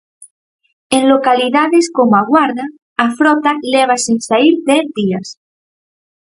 En localidades como A Guarda, a frota leva sen saír dez días.